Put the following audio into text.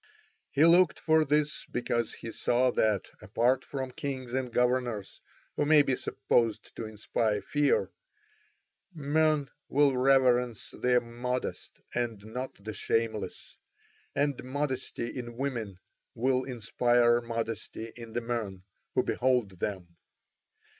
He looked for this because he saw that, apart from kings and governors who may be supposed to inspire fear, men will reverence the modest and not the shameless, and modesty in women will inspire modesty in the men who behold them.